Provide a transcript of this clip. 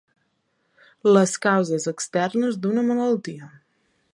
Les causes externes d'una malaltia.